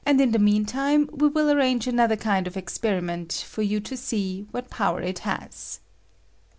in the mean tinie we will arrange another kind of experiment for you to see what power it has.